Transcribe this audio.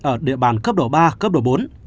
ở địa bàn cấp độ ba cấp độ bốn